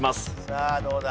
さあどうだ？